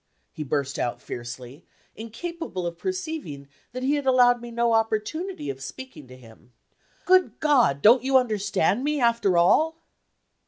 he burst out fiercely, incapable of perceiving that he had allowed me no opportunity of speaking to him. "Good God! don't you understand me, after all?"